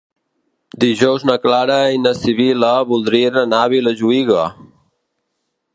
Dijous na Clara i na Sibil·la voldrien anar a Vilajuïga.